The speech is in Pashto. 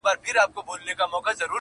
زما پر ښکلي اشنا وایه په ګېډیو سلامونه.!